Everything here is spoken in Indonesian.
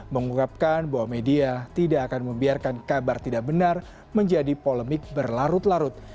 mengungkapkan bahwa media tidak akan membiarkan kabar tidak benar menjadi polemik berlarut larut